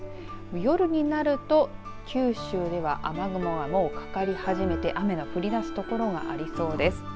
夜になると九州では雨雲がもうかかり始めて雨の降りだす所がありそうです。